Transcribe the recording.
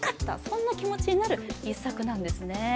そんな気持ちになる一作なんですね。